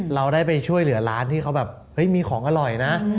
เราได้ไปช่วยเหลือร้านที่เขาแบบเฮ้ยมีของอร่อยนะ